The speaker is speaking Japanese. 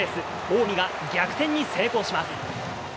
近江が逆転に成功します。